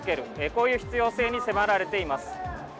こういう必要性に迫られています。